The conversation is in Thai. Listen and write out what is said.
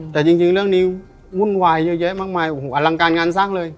แต่จริงเรื่องนี้วุ่นวายเยอะแยะมากมายโอ้โหอลังการงานสร้างเลย